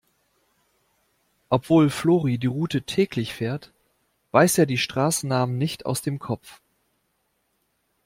Obwohl Flori die Route täglich fährt, weiß er die Straßennamen nicht aus dem Kopf.